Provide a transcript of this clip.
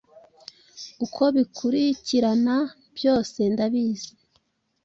uko bikuricyirana byose ndabizi